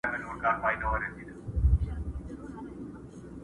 خو بيا هم پوښتني بې ځوابه پاتې کيږي تل،